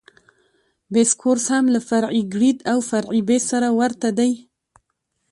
بیس کورس هم له فرعي ګریډ او فرعي بیس سره ورته دی